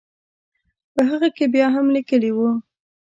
په هغه کې بیا هم لیکلي وو.